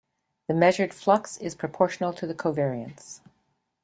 The measured flux is proportional to the covariance.